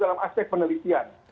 dalam aspek penelitian